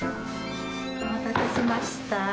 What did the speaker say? お待たせしました。